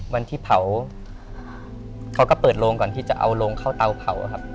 วันที่เผาเขาก็เปิดโรงก่อนที่จะเอาโรงเข้าเตาเผาครับ